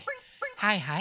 はいはい？